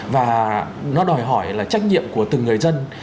và nó đòi hỏi là trách nhiệm của từng người dân